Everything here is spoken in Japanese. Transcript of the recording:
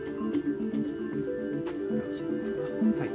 ・はい。